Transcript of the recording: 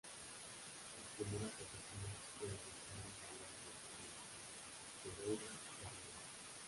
Las primeras oficinas fuera de Cali se abrieron en Palmira, Pereira y Armenia.